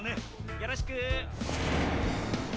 よろしく。